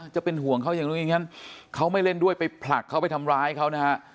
จะเป็นห่วงเขาอย่างนู้นอย่างนั้นเขาไม่เล่นด้วยไปผลักเขาไปทำร้ายเขานะฮะ